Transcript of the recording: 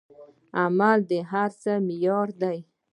عمل د هر څه معیار دی.